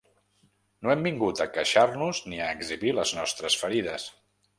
No hem vingut a queixar-nos ni a exhibir les nostres ferides.